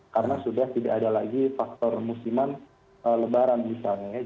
karena sudah tidak ada lagi faktor musiman lebaran misalnya